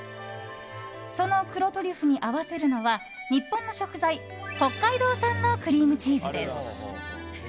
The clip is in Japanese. その黒トリュフに合わせるのは日本の食材北海道産のクリームチーズです。